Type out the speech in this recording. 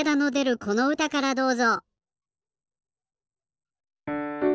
このうたからどうぞ。